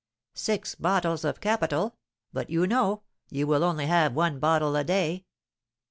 "Six bottles of capital. But, you know, you will only have one bottle a day."